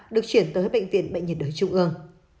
được chuyển tới bệnh viện bệnh nhiệt đới trung ương